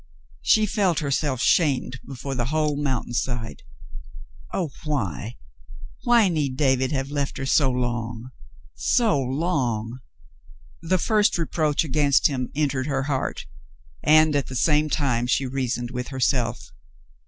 She felt herself shamed before the whole mountain side. Oh, why — why need David have left her so long — so long ! The first reproach against him entered her heart, and at the same time she reasoned with herself.